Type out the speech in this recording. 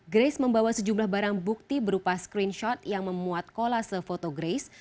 grace membawa sejumlah barang bukti berupa screenshot yang memuat kolase foto grace